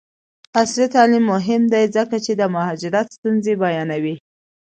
عصري تعلیم مهم دی ځکه چې د مهاجرت ستونزې بیانوي.